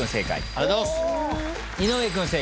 ありがとうございます。